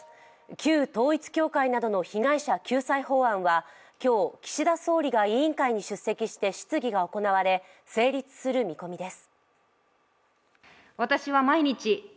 旧統一教会などの被害者救済法案は今日、岸田総理が委員会に出席し質疑が行われ成立する見込みです。